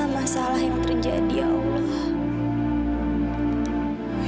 masalah yang terjadi ya allah